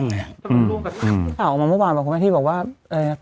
ต้องร่วมกับอืมอืมข่าวออกมาเมื่อวานบอกคุณแม่ที่บอกว่าเอ่ย